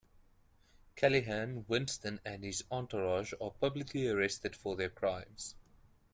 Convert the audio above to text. Calighan, Winston and his entourage are publicly arrested for their crimes.